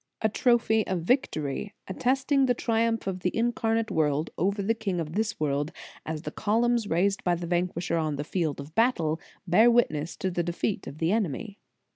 A trophy of victory, attesting the triumph of the Incarnate Word over the king of this world, as the columns raised by the Vanquisher on the field of battle bear witness to the defeat of the enemy.